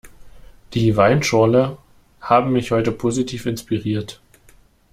Die Weinschorle haben mich heute positiv inspiriert.